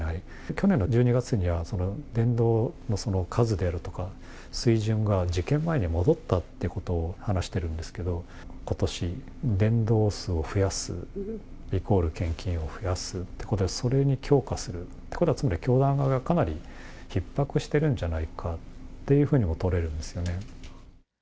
去年の１２月には、伝道の数であるとか、水準が事件前に戻ったってことを話してるんですけど、ことし、伝道数を増やすイコール献金を増やすってことで、それに強化するってことは、つまり、教団側がかなりひっ迫してるんじゃないかっていうふうにも取れるんですよね。